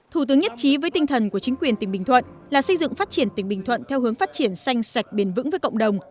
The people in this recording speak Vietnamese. thủ tướng nhất trí với tinh thần của chính quyền tỉnh bình thuận là xây dựng phát triển tỉnh bình thuận theo hướng phát triển xanh sạch bền vững với cộng đồng